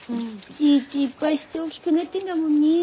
ちーちーいっぱいして大きくなってんだもんねえ。